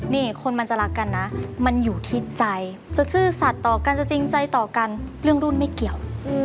นี่คนมันจะรักกันนะมันอยู่ที่ใจจะซื่อสัตว์ต่อกันจะจริงใจต่อกันเรื่องรุ่นไม่เกี่ยว